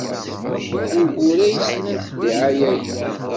Wuɣur ay slant ddiɛaya-a?